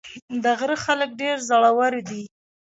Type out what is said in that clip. د غره خلک ډېر زړور دي.